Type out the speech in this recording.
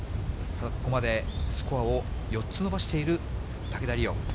ここまでスコアを４つ伸ばしている竹田麗央。